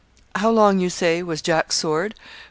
How long, you say, was Jack's sword?